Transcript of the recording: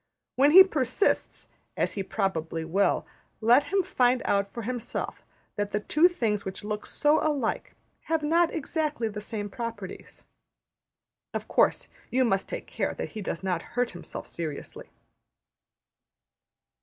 When he persists, as he probably will, let him find out for himself that the two things which look so alike have not exactly the same properties. Of course, you must take care that he does not hurt himself seriously.